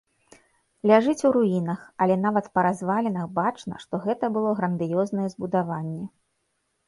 Ляжыць у руінах, але нават па развалінах бачна, што гэта было грандыёзнае збудаванне.